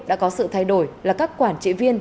đã có sự thay đổi là các quản trị viên